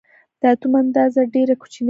د اتوم اندازه ډېره کوچنۍ ده.